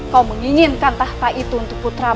kau menginginkan tahta itu untuk putramu